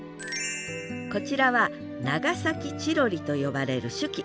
こちらは長崎チロリと呼ばれる酒器。